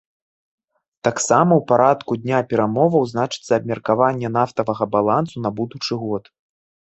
Таксама ў парадку дня перамоваў значыцца абмеркаванне нафтавага балансу на будучы год.